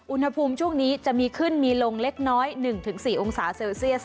อุณหภูมิช่วงนี้จะมีขึ้นมีลงเล็กน้อย๑๔องศาเซลเซียส